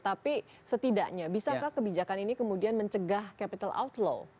tapi setidaknya bisakah kebijakan ini kemudian mencegah capital outlow